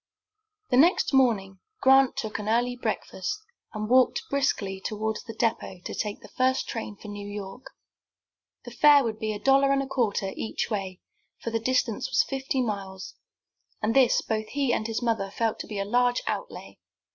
The next morning Grant took an early breakfast, and walked briskly toward the depot to take the first train for New York. The fare would be a dollar and a quarter each way, for the distance was fifty miles, and this both he and his mother felt to be a large outlay.